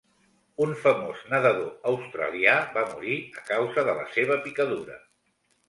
Un famós nedador australià va morir a causa de la seva picadura.